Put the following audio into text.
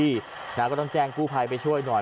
ก็ต้องแจ้งกู้ภัยไปช่วยหน่อย